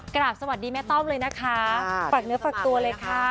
กราบสวัสดีแม่ต้อมเลยนะคะฝากเนื้อฝากตัวเลยค่ะ